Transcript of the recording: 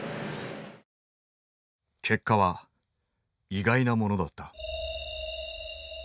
結果は意外なものだった。